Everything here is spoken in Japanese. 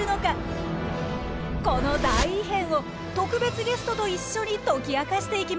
この大異変を特別ゲストと一緒に解き明かしていきます。